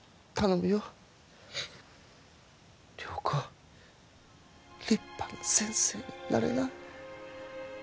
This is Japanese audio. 良子立派な先生になれな。